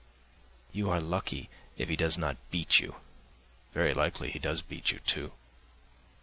You are lucky if he does not beat you. Very likely he does beat you, too.